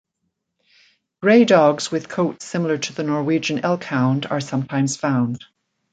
Gray dogs with coats similar to the Norwegian Elkhound are sometimes found.